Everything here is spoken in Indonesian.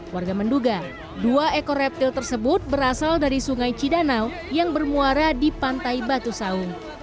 warga menduga dua ekor reptil tersebut berasal dari sungai cidanau yang bermuara di pantai batu saung